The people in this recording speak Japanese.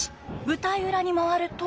舞台裏に回ると。